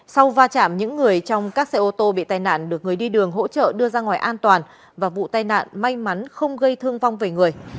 sau va chạm những người trong các xe ô tô bị tai nạn được người đi đường hỗ trợ đưa ra ngoài an toàn và vụ tai nạn may mắn không gây thương vong về người